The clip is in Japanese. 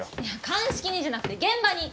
鑑識にじゃなくて現場に！